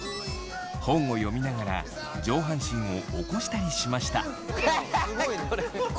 本を読みながら上半身を起こしたりしました。